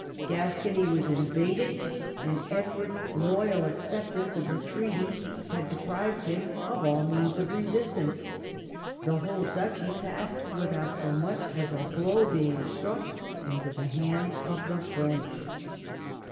Gascony was invaded, and as Edward's loyal acceptance of the treaty had deprived him of all means of resistance, the whole duchy passed without so much as a blow being struck into the hands of the French.